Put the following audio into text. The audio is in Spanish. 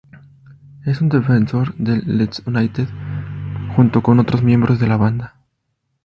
Es un defensor del Leeds United junto con otros miembros de la banda.